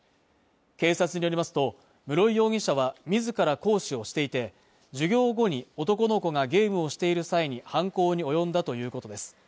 警察によりますと室井容疑者は自ら講師をしていて授業後に男の子がゲームをしている際に犯行に及んだということです